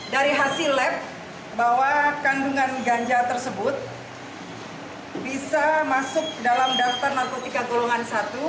dari hasil lab bahwa kandungan ganja tersebut bisa masuk dalam daftar narkotika golongan satu